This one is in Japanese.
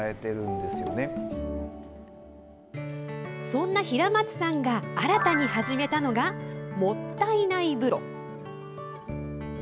そんな、平松さんが新たに始めたのがもったいない風呂。